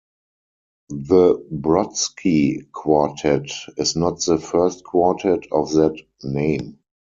The Brodsky Quartet is not the first quartet of that name.